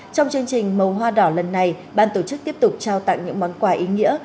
trong chương trình màu hoa đỏ lần này ban tổ chức tiếp tục trao tặng những món quà ý nghĩa